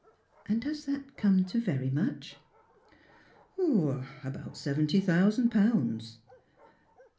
And does that come to very much ?" "About seventy thousand pounds."